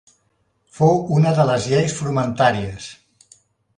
Fou una de les lleis frumentàries.